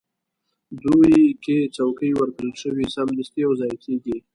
دوی که څوکۍ ورکړل شي، سمدستي یو ځای کېږي.